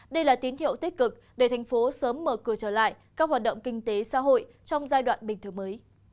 đây là tín hiệu tích cực để thành phố sớm mở cửa trở lại các hoạt động kinh tế xã hội trong giai đoạn bình thường mới